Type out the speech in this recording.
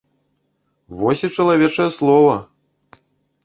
Вось і чалавечае слова!